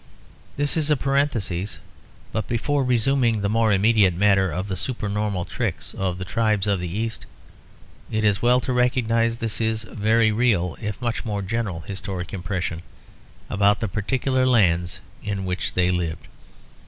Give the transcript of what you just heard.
This is a parenthesis; but before resuming the more immediate matter of the supernormal tricks of the tribes of the East, it is well to recognise this very real if much more general historic impression about the particular lands in which they lived.